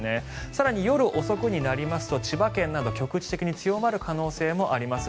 更に夜遅くになりますと千葉県など局地的に強まる恐れもあります。